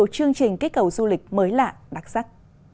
của khu du lịch mới lạ đặc sắc